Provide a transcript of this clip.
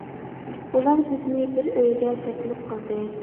ئۇلار بىزنى بىر ئۆيگە تەكلىپ قىلدى.